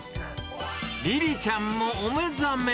りりちゃんもお目覚め。